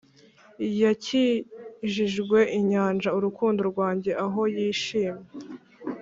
yakijijwe inyanja urukundo rwanjye aho yishimye